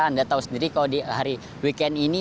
anda tahu sendiri kalau di hari weekend ini